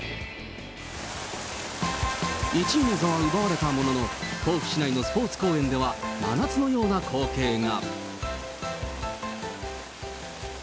１位の座は奪われたものの、甲府市内のスポーツ公園では、真夏のような光景が。